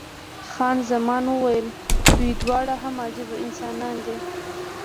خان زمان وویل، دوی دواړه هم عجبه انسانان دي.